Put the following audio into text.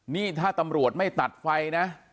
นี่ถ้าตำรวจไม่ตัดไฟนะ